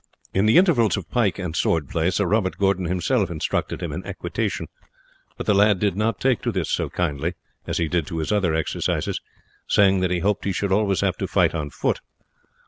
In the intervals of pike and sword play Sir Robert Gordon himself instructed him in equitation; but the lad did not take to this so kindly as he did to his other exercises, saying that he hoped he should always have to fight on foot.